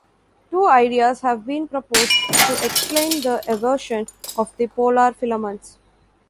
Two ideas have been proposed to explain the eversion of the polar filaments.